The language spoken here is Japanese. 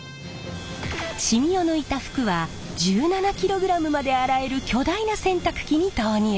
しみを抜いた服は１７ｋｇまで洗える巨大な洗濯機に投入。